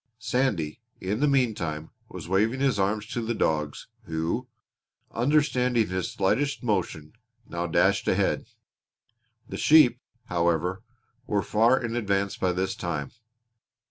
Sandy, in the meantime, was waving his arms to the dogs who, understanding his slightest motion, now dashed ahead. The sheep, however, were far in advance by this time.